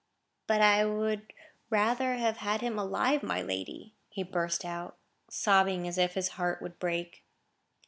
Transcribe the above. "But I would rather have had him alive, my lady," he burst out, sobbing as if his heart would break.